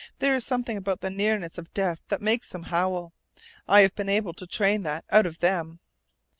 "There is something about the nearness of death that makes them howl. I haven't been able to train that out of them."